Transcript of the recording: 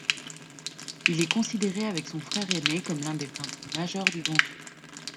Il est considéré avec son frère aîné comme l'un des peintres majeurs du Ventoux.